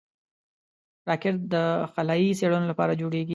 راکټ د خلایي څېړنو لپاره جوړېږي